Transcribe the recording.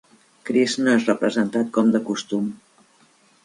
Crist no és representat com de costum.